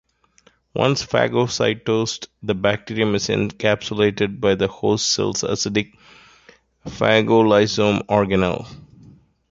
Once phagocytosed, the bacterium is encapsulated by the host cell's acidic phagolysosome organelle.